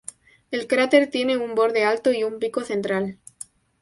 El cráter tiene un borde alto y un pico central.